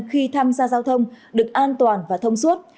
khi tham gia giao thông được an toàn và thông suốt